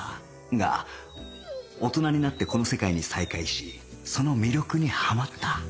が大人になってこの世界に再会しその魅力にはまった